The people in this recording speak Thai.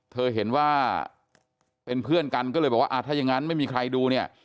เธอเห็นว่าเป็นเพื่อนกันก็เลยบอกว่าถ้ายังงั้นไม่มีใครดูเนี่ย